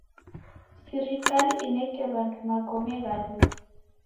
Sirikali ineke w'andu magome gha duu.